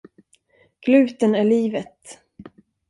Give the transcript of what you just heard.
Gluten är livet!